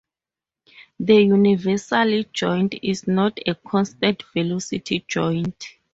The universal joint is not a constant-velocity joint.